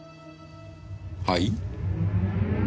はい？